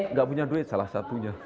nggak punya duit salah satunya